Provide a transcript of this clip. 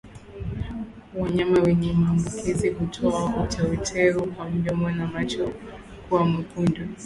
Wanyama wenye maambukizi hutoa uteute wa mdomo na macho kuwa mekundu